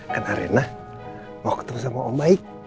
karena rena mau ketemu sama om baik